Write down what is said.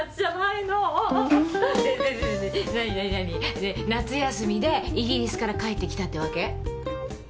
で夏休みでイギリスから帰ってきたってわけ？